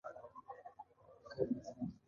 پامیر د افغانستان د تکنالوژۍ پرمختګ سره تړاو لري.